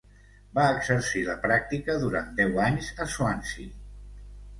Va exercir la pràctica durant deu anys a Swansea.